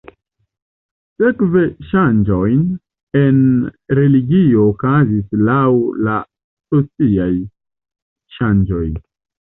Sekve ŝanĝojn en religio okazis laŭ la sociaj ŝanĝoj.